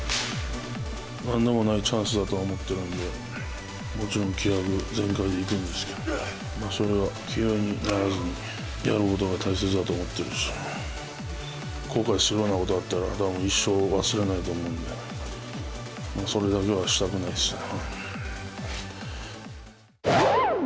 何度もないチャンスだと思っているので、もちろん気迫全開でいくんですけど、それが気負いにならずに、やることが大切だと思っているし、後悔するようなことがあったら、たぶん一生忘れないと思うんで、それだけはしたくないですね。